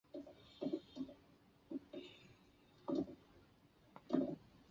国防情报局为美国国防部辖下主要对外军事情报组织。